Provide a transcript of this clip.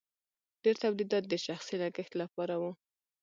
ډیر تولیدات د شخصي لګښت لپاره وو.